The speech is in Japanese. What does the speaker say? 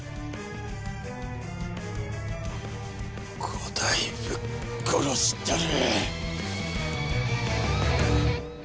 伍代ぶっ殺したる！